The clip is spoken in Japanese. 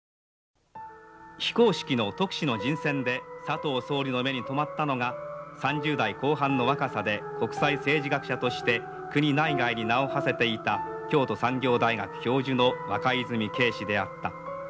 非公式の特使の人選で佐藤総理の目に留まったのが３０代後半の若さで国際政治学者として国内外に名をはせていた京都産業大学教授の若泉敬氏であった。